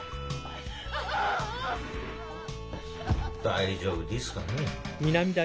大丈夫ですかねえ。